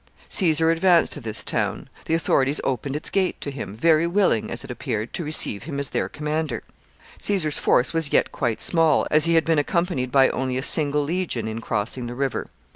Caesar advanced to this town. The authorities opened its gates to him very willing, as it appeared, to receive him as their commander. Caesar's force was yet quite small, as he had been accompanied by only a single legion in crossing the river.